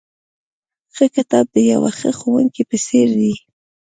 ښه کتاب د یوه ښه ښوونکي په څېر دی.